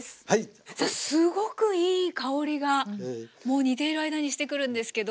さあすごくいい香りがもう煮ている間にしてくるんですけど。